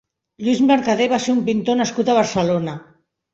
Lluís Mercadé va ser un pintor nascut a Barcelona.